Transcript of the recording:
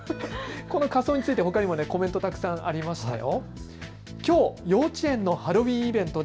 この仮装についてほかにもコメント、たくさんありましたよ。